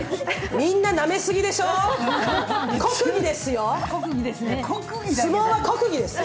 みんななめすぎでしょう、相撲は国技ですよ。